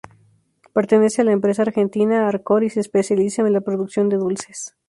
Pertenece a la empresa argentina Arcor y se especializa en la producción de dulces.